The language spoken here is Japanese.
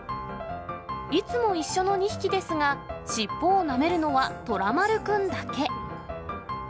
いつも一緒の２匹ですが、尻尾をなめるのはとらまるくんだけ。